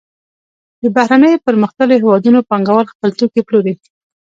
د بهرنیو پرمختللو هېوادونو پانګوال خپل توکي پلوري